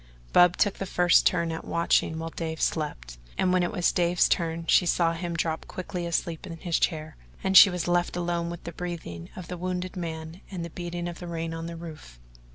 Bub took the first turn at watching while Dave slept, and when it was Dave's turn she saw him drop quickly asleep in his chair, and she was left alone with the breathing of the wounded man and the beating of rain on the roof.